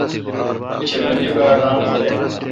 اوں چمینی باڑران خلق۔